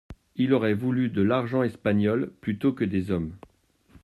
Ils auraient voulu de l'argent espagnol plutôt que des hommes.